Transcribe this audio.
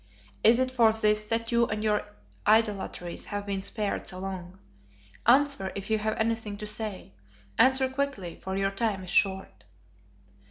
Is it for this that you and your idolatries have been spared so long? Answer, if you have anything to say. Answer quickly, for your time is short."